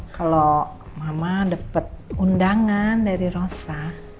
kalau mama dapat undangan dari rosa